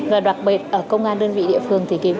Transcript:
và đặc biệt công an đơn vị địa phương